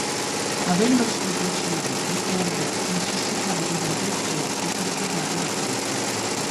Avendo solo dieci anni, il re necessitava di un reggente per guidare il regno.